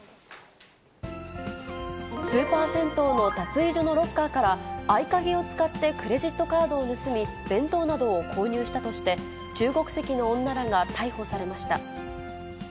スーパー銭湯の脱衣所のロッカーから、合鍵を使ってクレジットカードを盗み、弁当などを購入したとして、中国籍の女らが逮捕されました。